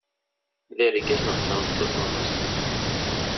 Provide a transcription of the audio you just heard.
D argaz neɣ tameṛṛut uneṣ.